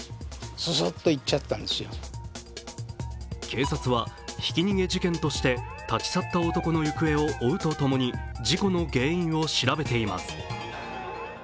警察は、ひき逃げ事件として立ち去った男の行方を追うとともに、事故の原因を調べています。